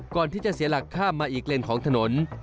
ก่อนที่จะเสียหลักข้ามมาอีกเลนของถนน